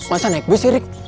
aduh masa naik bus ya rik